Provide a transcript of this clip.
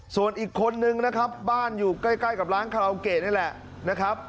ส่วนอีกคนนึงนะครับบ้านอยู่ใกล้กับร้านคาราโอเกะนี่แหละนะครับ